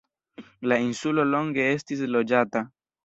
La insulo longe estis loĝata.